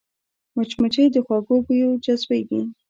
مچمچۍ د خوږو بویو جذبېږي